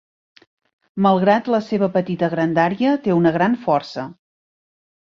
Malgrat la seva petita grandària, té una gran força.